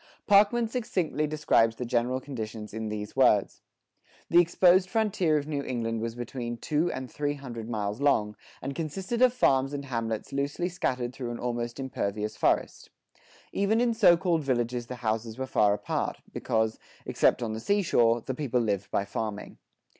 Parkman succinctly describes the general conditions in these words:[70:4] The exposed frontier of New England was between two and three hundred miles long, and consisted of farms and hamlets loosely scattered through an almost impervious forest. ... Even in so called villages the houses were far apart, because, except on the seashore, the people lived by farming.